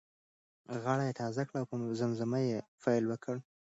غاړه یې تازه کړه او په زمزمه یې پیل وکړ.